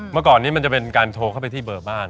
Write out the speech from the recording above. เมื่อก่อนนี้มันจะเป็นการโทรเข้าไปที่เบอร์บ้าน